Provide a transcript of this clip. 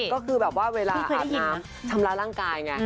ก็คือแบบว่าเวลาทำร้ายร่างกายไง